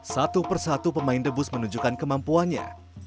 satu persatu pemain debus menunjukkan kemampuannya